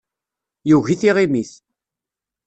Yugi tiɣimit.